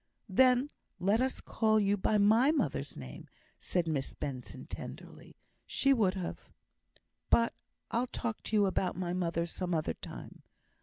"Then, let us call you by my mother's name," said Miss Benson, tenderly. "She would have But I'll talk to you about my mother some other time.